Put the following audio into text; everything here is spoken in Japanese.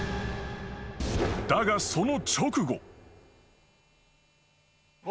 ［だがその直後］